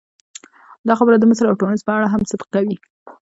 دا خبره د مصر او ټونس په اړه هم صدق کوي.